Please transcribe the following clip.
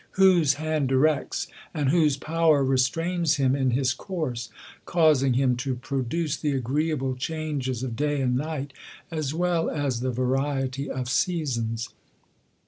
Whose hand directs, and whose power restrains him in his course, causing him to pro duce the agreeable changes of day and night, as well as the variety of seasons